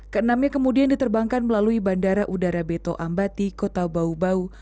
keenamnya kemudian diterbangkan melalui bandara udara beto ambati kota bau bau